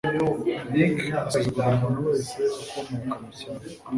Nick asuzugura umuntu wese ukomoka mucyaro.